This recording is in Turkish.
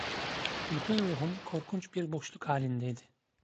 Bütün ruhum korkunç bir boşluk halindeydi.